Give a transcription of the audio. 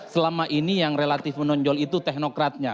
selama ini yang relatif menonjol itu teknokratnya